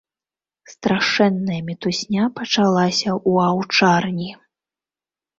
Страшэнная мітусня пачалася ў аўчарні.